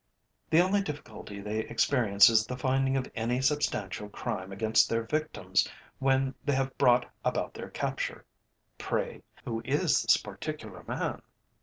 The only difficulty they experience is the finding of any substantial crime against their victims when they have brought about their capture. Pray, who is this particular man?"